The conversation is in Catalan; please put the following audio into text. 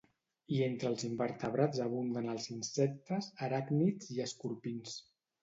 I entre els invertebrats abunden els insectes, aràcnids i escorpins.